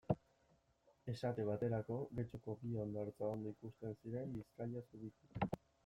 Esate baterako, Getxoko bi hondartza ondo ikusten ziren Bizkaia zubitik.